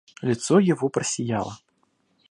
Лицо его просияло.